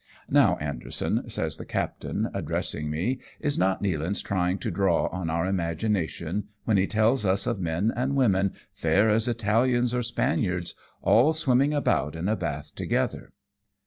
" Now, Anderson,'^ says the captain, addressing me, " is not Nealance trying to draw on our imagination when he tells us of men and women, fair as Italians or Spaniards, all swimming about in a bath together